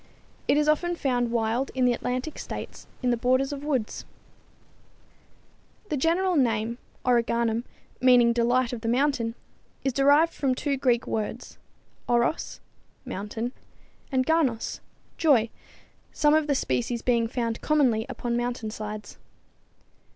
It is often found wild in the Atlantic states in the borders of woods. [Illustration: Sweet Marjoram] The general name origanum, meaning delight of the mountain, is derived from two Greek words, oros, mountain; and ganos, joy, some of the species being found commonly upon mountain sides.